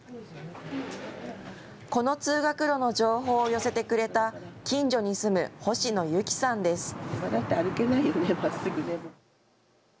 この通学路の情報を寄せてくれた近所に住む星野由紀さんです。